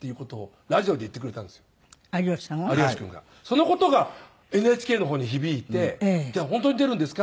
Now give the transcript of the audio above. その事がＮＨＫの方に響いて本当に出るんですか？